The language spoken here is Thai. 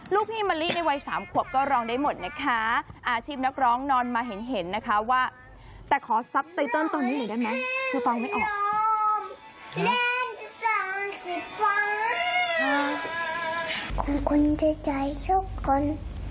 ขอบคุณสุดท้ายสุดก่อนเด็กก็ไม่สนเราทุกคนชอบไปโรงเรียน